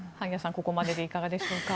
ここまででいかがでしょうか？